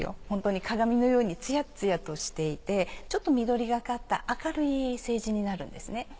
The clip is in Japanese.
本当に鏡のようにツヤツヤとしていてちょっと緑がかった明るい青磁になるんですね。